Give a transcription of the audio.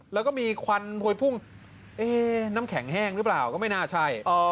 แล้วก็มีควันพวยพุ่งเอ๊น้ำแข็งแห้งหรือเปล่าก็ไม่น่าใช่